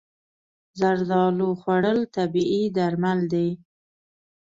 زردالو خوړل طبیعي درمل دي.